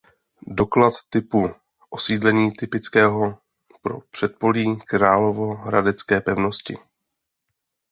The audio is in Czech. Doklad typu osídlení typického pro předpolí královéhradecké pevnosti.